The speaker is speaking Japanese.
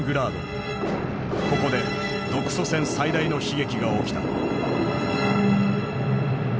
ここで独ソ戦最大の悲劇が起きた。